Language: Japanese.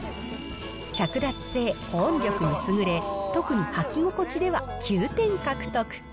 着脱性、保温力に優れ、特に履き心地では９点獲得。